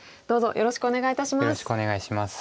よろしくお願いします。